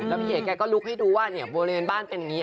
พี่เอ๋แกก็ลุกให้ดูว่าบริเวณบ้านเป็นอย่างนี้